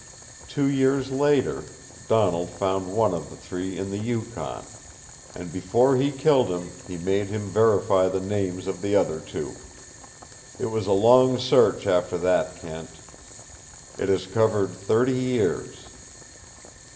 Two years later Donald found one of the three on the Yukon, and before he killed him he made him verify the names of the other two. It was a long search after that, Kent. It has covered thirty years.